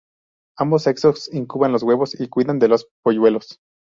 Ambos sexos incuban los huevos y cuidan de los polluelos.